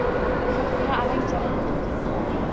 Firqa alang-jalang bo‘ldi.